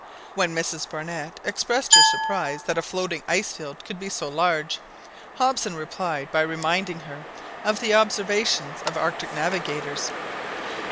When Mrs Barnett expressed her surprise that a floating ice field could be so large, Hobson replied by reminding her of the observations of Arctic navigators.